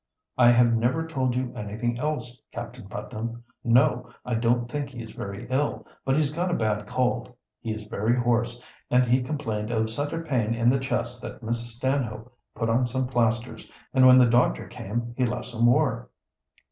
"I have never told you anything else, Captain Putnam. No, I don't think he is very ill, but he's got a bad cold. He is very hoarse, and he complained of such a pain in the chest that Mrs. Stanhope put on some plasters, and when the doctor came he left some more."